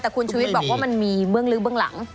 แต่คุณชุวิตบอกว่ามันมีเบื้องลึกเบื้องหลัง